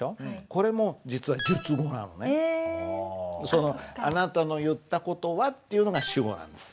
その「あなたの言ったことは」っていうのが主語なんです。